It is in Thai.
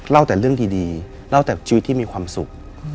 เล่าแต่เรื่องดีเล่าแต่ชีวิตที่มีความสุข